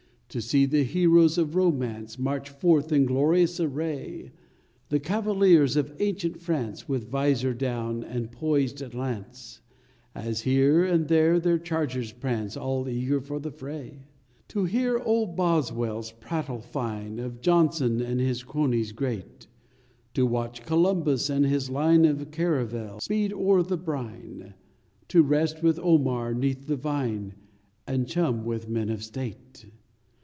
To see the heroes of Romance March forth in glorious array; The cavaliers of ancient France, With vizor down, and poised lance, As here and there their chargers prance All eager for the fray. To hear old Boswell s prattle fine Of Johnson and his cronies great; To watch Columbus and his line Of caravels speed o er the brine ; To rest with Omar neath the vine ; And chum with men of State.